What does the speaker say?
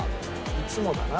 いつもだな。